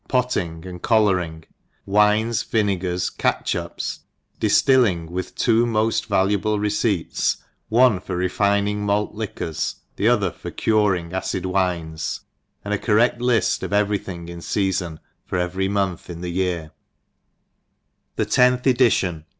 Potting, and Collaring, Wines, Vinegars, Catch ups, Dinilling, with two moft va luable Receipts, one for refining Malt Liquors, the other for curing Acid Wines> and a correal Lid of every Thing in Seafon for every Month in the Yean m THE TENTH EDITION.